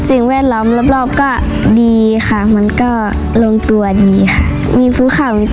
เร็วร้ำรอบก็ดีมันก็ลงตัวดีมีฟูคำกล้วนม้าเยอะค่ะ